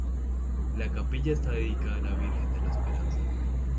La capilla está dedicada a la Virgen de la Esperanza.